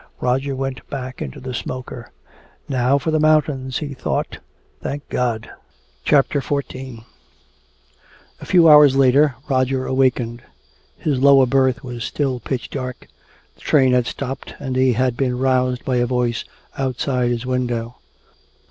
Roger went back into the smoker. "Now for the mountains," he thought. "Thank God!" CHAPTER XIV A few hours later Roger awakened. His lower berth was still pitch dark. The train had stopped, and he had been roused by a voice outside his window.